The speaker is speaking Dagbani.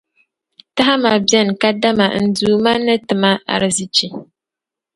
Tamaha beni kadama n Duuma ni ti ma arizichi.